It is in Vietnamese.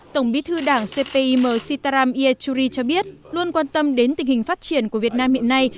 tổng bí thư đảng cpim sitaram ia churi cho biết luôn quan tâm đến tình hình phát triển của việt nam hiện nay